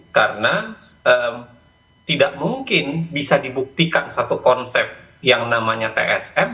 karena tidak mungkin bisa dibuktikan satu konsep yang namanya tsm